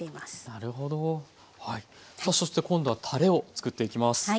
さあそして今度はたれを作っていきます。